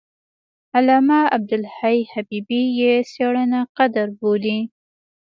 علامه عبدالحي حبیبي یې څېړنه قدر بولي.